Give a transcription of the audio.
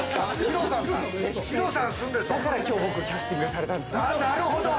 だから今日、僕キャスティングされたんですね。